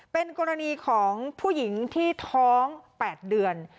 เป็นกรณีของผู้หญิงที่ท้อง๘เดือน